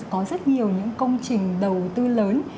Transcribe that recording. có rất nhiều những công trình đầu tư lớn